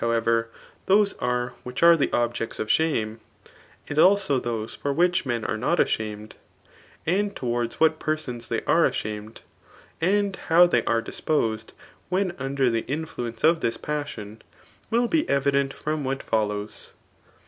however, those are which are the objects of shame, and also tbosefor which men are notashamed, and towards what persons thqr are ashamed, aiid'ho]w ti^i/^ are disposedj^when under the influence of .thi^tpassK^] will be. evident from what follows.